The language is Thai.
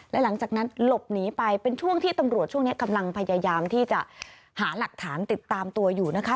และหลังจากนั้นหลบหนีไปเป็นช่วงที่ตำรวจช่วงนี้กำลังพยายามที่จะหาหลักฐานติดตามตัวอยู่นะคะ